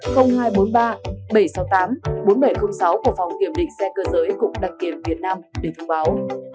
của phòng kiểm định xe cơ giới cùng đăng kiểm việt nam để thông báo